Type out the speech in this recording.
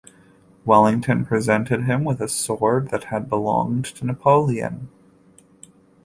Wellington presented him with a sword that had belonged to Napoleon.